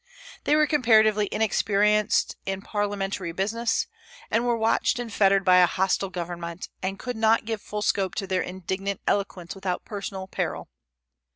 They were comparatively inexperienced in parliamentary business, and were watched and fettered by a hostile government, and could not give full scope to their indignant eloquence without personal peril.